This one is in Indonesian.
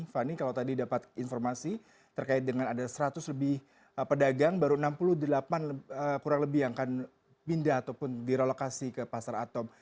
fani kalau tadi dapat informasi terkait dengan ada seratus lebih pedagang baru enam puluh delapan kurang lebih yang akan pindah ataupun direlokasi ke pasar atom